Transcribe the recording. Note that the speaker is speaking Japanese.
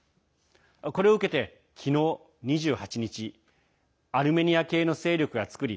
これを受けて、昨日２８日アルメニア系の勢力が作り